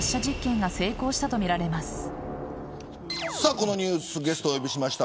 このニュースゲストをお呼びしました。